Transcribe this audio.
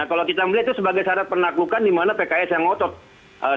nah kalau kita melihat itu sebagai syarat penaklukan dimana pks yang ngotot